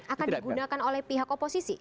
akan digunakan oleh pihak oposisi